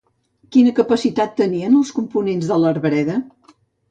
Quina capacitat tenien els components de l'arbreda?